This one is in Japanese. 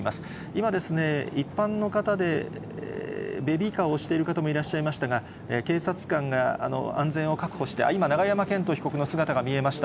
今ですね、一般の方でベビーカーを押してる方もいらっしゃいましたが、警察官が安全を確保して、あっ、今、永山絢斗被告の姿が見えました。